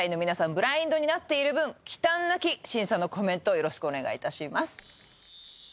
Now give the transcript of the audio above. ブラインドになっている分きたんなき審査のコメントをよろしくお願いいたします